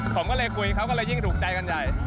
ผมก็เลยคุยเขาก็เลยยิ่งถูกใจกันใหญ่